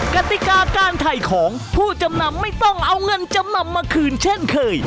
กติกาการถ่ายของผู้จำนำไม่ต้องเอาเงินจำนำมาคืนเช่นเคย